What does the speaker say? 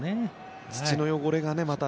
土の汚れがまた。